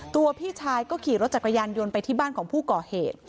พี่ชายก็ขี่รถจักรยานยนต์ไปที่บ้านของผู้ก่อเหตุ